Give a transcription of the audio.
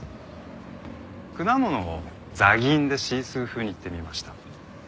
果物をザギンでシースー風に言ってみました。